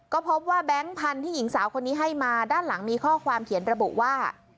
ก็พบว่าแบงค์พันธุ์ที่หญิงสาวคนนี้ให้มาด้านหลังมีข้อความเขียนระบุว่า